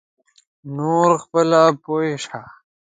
نور خپله پوی شه.